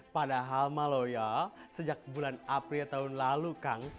padahal malo ya sejak bulan april tahun lalu kang